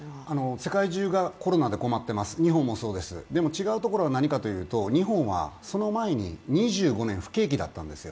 世界中がコロナで困っています、日本もそうです、違うところはどこかというと日本はその前に２５年不景気だったんですよ。